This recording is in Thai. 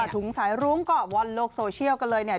ถุงสายรุ้งก็วอนโลกโซเชียลกันเลยเนี่ย